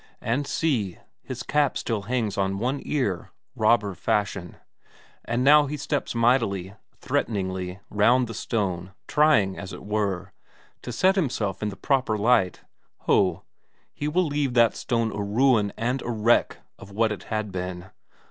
And see, his cap still hangs on one ear, robber fashion, and now he steps mightily, threateningly, round the stone, trying, as it were, to set himself in the proper light; ho, he will leave that stone a ruin and a wreck of what it had been.